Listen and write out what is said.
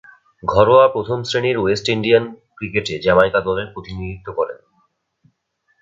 ঘরোয়া প্রথম-শ্রেণীর West Indian ক্রিকেটে জ্যামাইকা দলের প্রতিনিধিত্ব করেন।